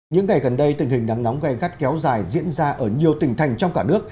những ngày gần đây tình hình nắng nóng gai gắt kéo dài diễn ra ở nhiều tỉnh thành trong cả nước